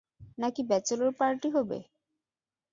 নাকি bachelor party হবে?